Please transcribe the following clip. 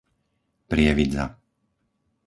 Prievidza